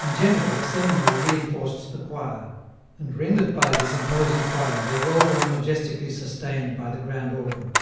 In general the seminary reinforced the choir, and ren dered by this imposing choir they rolled on majestically sustained by the grand organ.